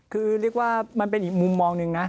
คือเรียกว่ามันเป็นอีกมุมมองหนึ่งนะ